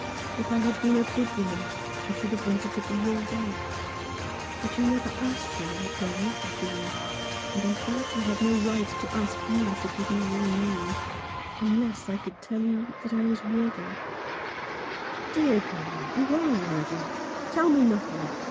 If I had been a good woman I should have wanted to be your wife. But you never asked me what my youth had been, and I felt I had no right to ask you to give me your name, unless I could tell you that I was worthy " "Dear girl, you are worthy. Tell me nothing.